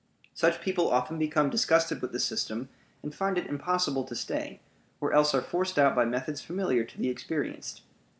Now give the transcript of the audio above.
Such people often become disgusted with the system and find it impossible to stay, or else are forced out by methods familiar to the experienced.